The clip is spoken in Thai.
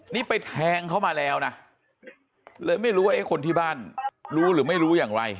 นี่ไปแทงเขามาแล้วนะเลยไม่รู้ว่าเอ๊ะคนที่บ้านรู้หรือไม่รู้อย่างไร